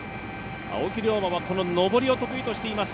青木涼真は上りを得意としています。